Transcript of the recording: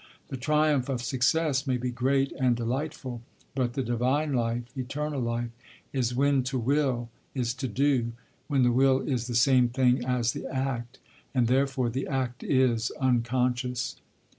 The triumph of success may be great and delightful, but the divine life eternal life is when to will is to do, when the will is the same thing as the act, and therefore the act is unconscious."